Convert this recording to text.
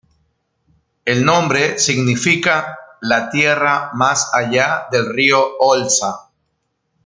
El nombre significa ""la tierra más allá del río Olza"".